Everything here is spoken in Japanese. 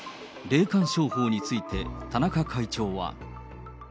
霊感商法について、田中会長は。